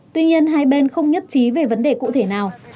tuy nhiên hai bên không nhất trí về vấn đề cụ thể nào